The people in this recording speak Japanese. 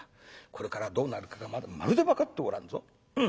これからどうなるかがまだまるで分かっておらんぞ。